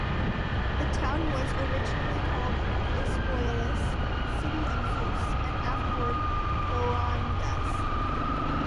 The town was originally called "Diospolis", "City of Zeus", and afterwards "Rhodas".